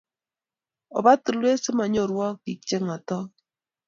Oba tulwet si ma nyoorwok piik che cheeng'otok.